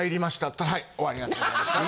ったらはいおありがとうございました。